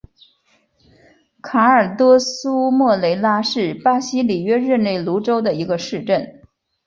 卡尔多苏莫雷拉是巴西里约热内卢州的一个市镇。